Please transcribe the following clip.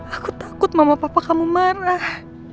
aku takut mama papa kamu marah